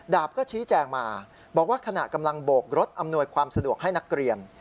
ดาบก็ชี้แจงมาบอกว่าขณะกำลังโบกรถอำนวยความสะดวกให้นักเรียน